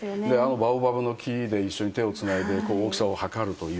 バオバブの木で一緒に手をつないで大きさを測るという。